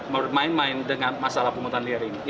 bermain main dengan masalah penghutang liar ini